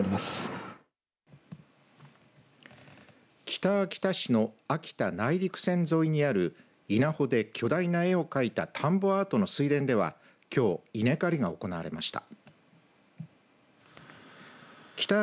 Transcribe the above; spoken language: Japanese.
北秋田市の秋田内陸線沿いにある稲穂で巨大な絵を描いた田んぼアートの水田ではきょう稲刈りが行われました。